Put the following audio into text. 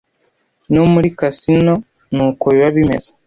No muri Casino ni uko biba bimeze: